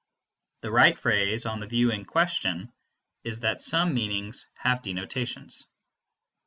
The right phrase, on the view in question, is that some meanings have denotations.